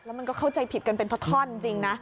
แล้วมันก็เข้าใจผิดกันเป็นท่อนจริงนะ